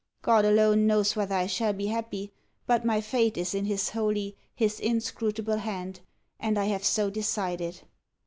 God alone knows whether I shall be happy, but my fate is in His holy, His inscrutable hand, and I have so decided.